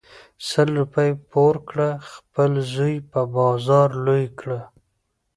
سل روپی پور کړه خپل زوی په بازار لوی کړه .